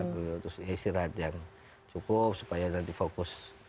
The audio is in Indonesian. terus isi rat yang cukup supaya nanti fokus